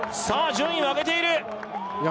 順位を上げているいや